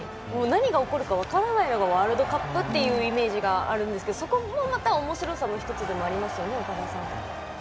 何が起こるか分からないのがワールドカップっていうイメージがあるんですがそこもまたおもしろさの１つでもありますよね。